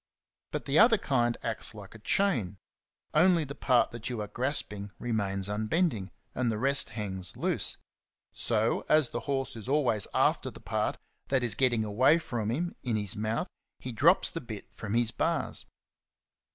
But the other kind acts like a chain ; only the part that you are grasping remains unbend ing, and the rest hangs loose. So, as the horse is always after the part that is getting away from him in his mouth, he drops the bit from his bars.